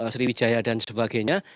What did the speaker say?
sriwijaya dan sebagainya